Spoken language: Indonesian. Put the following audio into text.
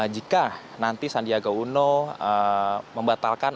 jika nanti sandiaga uno membatalkan